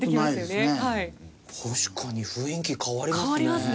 確かに雰囲気変わりますね。